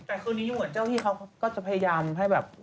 แต่คืนนี้เหมือนเจ้าที่เขาก็จะพยายามให้แบบ